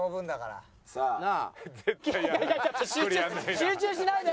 集中しないで！